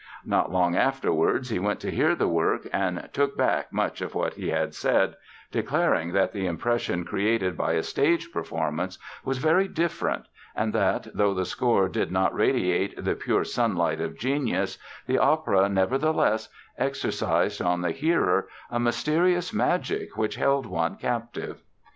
Not long afterwards he went to hear the work and took back much of what he had said, declaring that the impression created by a stage performance was very different and that, though the score did not radiate the "pure sunlight of genius" the opera, nevertheless, exercised on the hearer "a mysterious magic which held one captive".